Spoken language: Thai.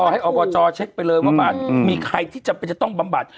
ให้อบจเช็คไปเลยว่ามีใครที่จำเป็นจะต้องบำบัด